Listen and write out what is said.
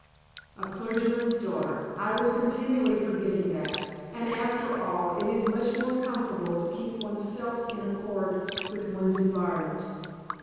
A clergyman's daughter. I was continually forgetting that. And, after all, it is much more comfortable to keep one's self in accord with one's environment.